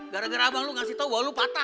gara gara abang lo kasih tahu bahwa lo patah